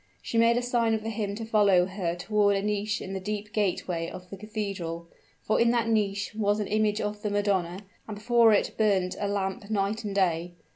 she made a sign for him to follow her toward a niche in the deep gateway of the cathedral: for in that niche was an image of the Madonna, and before it burnt a lamp night and day.